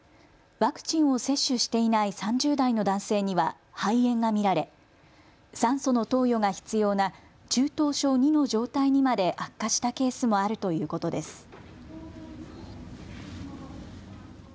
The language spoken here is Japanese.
ワクチンを接種していない３０代の男性には肺炎が見られ酸素の投与が必要な中等症２の状態にまで悪化したケースもあるということです。